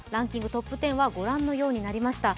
ＴＯＰ１０はご覧のようになりました。